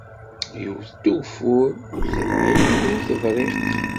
Yewwet-d ugeffur, ur terɛid, ur tebriq